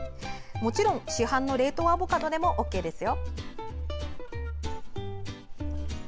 もちろん市販の冷凍アボカドでもＯＫですよ。